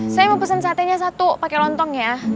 saya mau pesen satenya satu pakai lontong ya